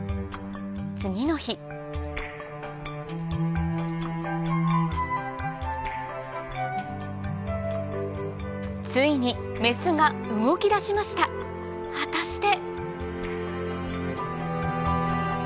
次の日ついにメスが動き出しました果たして？